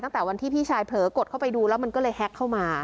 ตั้งแต่วันที่พี่ชายเผลอกดเข้าไปดูแล้วมันก็เลยแฮ็กเข้ามา